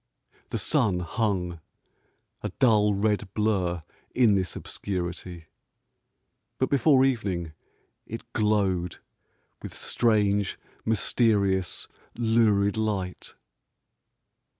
The sun hung, a dull red blur in this obscurity ; but before evening it glowed with strange, mysterious, lurid light.